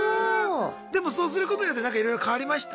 でもそうすることによってなんかいろいろ変わりました？